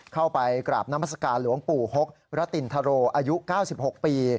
เข้าไปกราบนามัศกาลหลวงปู่ฮกระตินทโรอายุ๙๖ปี